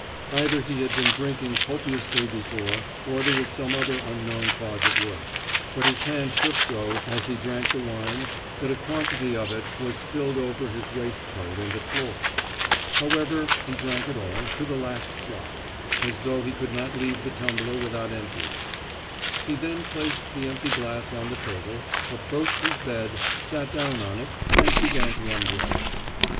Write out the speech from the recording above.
Either he had been drinking copiously before, or there was some other unknown cause at work, but his hand shook so as he drank the wine that a quantity of it was spilled over his waistcoat and the floor. However, he drank it all, to the last drop, as though he could not leave the tumbler without emptying it. He then placed the empty glass on the table, approached his bed, sat down on it, and began to undress.